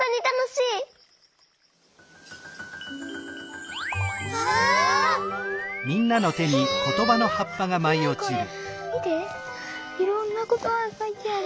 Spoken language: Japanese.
いろんなことばがかいてあるよ。